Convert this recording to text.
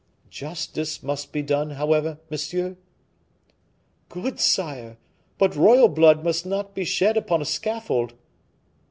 "Justice must be done, however, monsieur." "Good, sire; but royal blood must not be shed upon a scaffold."